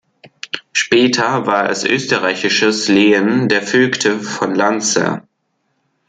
Später war es österreichisches Lehen der Vögte von Landser.